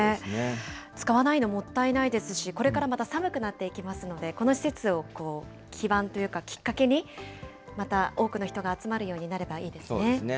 使わないの、もったいないですし、これからまた寒くなっていきますので、この施設を基盤というか、きっかけに、また多くの人が集まるようになればいいですね。